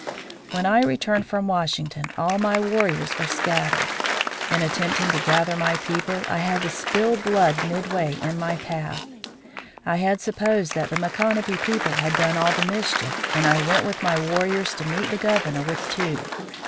"When I returned from Washington, all my warriors were scattered in attempting to gather my people I had to spill blood midway in my path. I had supposed that the Micanopy people had done all the mischief, and I went with my warriors to meet the Governor with two.